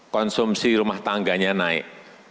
konsumsi rumah tangganya naik